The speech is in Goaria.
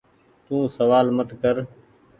تو سوآل مت ڪر ۔